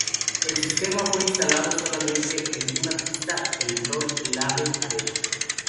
El sistema fue instalado solamente en una pista, el Rod Laver Arena.